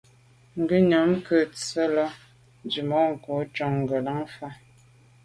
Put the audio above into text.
Ngùnyàm nke nse’ la’ tswemanko’ njon ngelan fa.